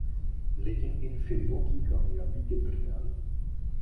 لیکن ان فلموں کی کامیابی کے درمیان